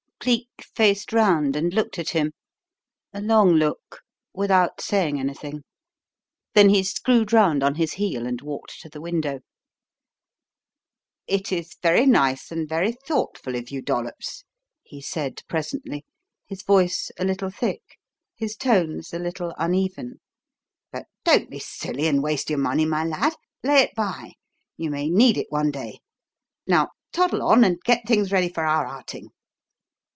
Cleek faced round and looked at him a long look without saying anything, then he screwed round on his heel and walked to the window. "It is very nice and very thoughtful of you, Dollops," he said presently, his voice a little thick, his tones a little uneven. "But don't be silly and waste your money, my lad. Lay it by. You may need it one day. Now toddle on and get things ready for our outing."